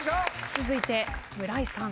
続いて亜生さん。